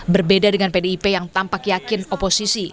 berbeda dengan pdip yang tampak yakin oposisi